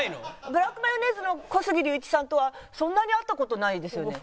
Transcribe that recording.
ブラックマヨネーズの小杉竜一さんとはそんなに会った事ないですよね？